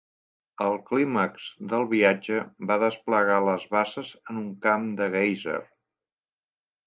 El clímax del viatge va desplegar les basses en un camp de guèiser.